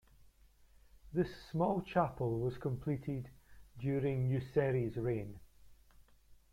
This small chapel was completed during Nyuserre's reign.